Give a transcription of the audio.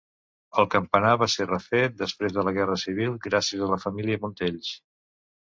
El campanar va ser refet després de la Guerra Civil gràcies a la família Montells.